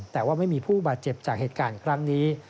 แต่ว่าไม่มีผู้บาดเจ็บจากเหตุการณ์ครั้งนี้